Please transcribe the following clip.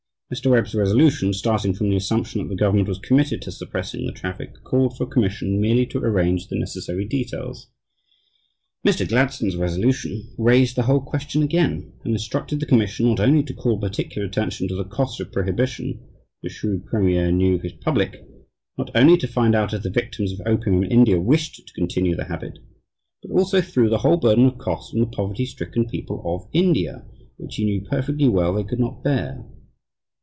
Mr. Webb's resolution, starting from the assumption that the government was committed to suppressing the traffic, called for a commission merely to arrange the necessary details. Mr. Gladstone's resolution raised the whole question again, and instructed the commission not only to call particular attention to the cost of prohibition (the shrewd premier knew his public!), not only to find out if the victims of opium in India wished to continue the habit, but also threw the whole burden of cost on the poverty stricken people of India which he knew perfectly well they could not bear.